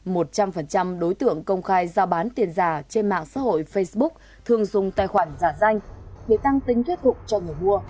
một trăm linh đối tượng công khai giao bán tiền giả trên mạng xã hội facebook thường dùng tài khoản giả danh để tăng tính thuyết phục cho người mua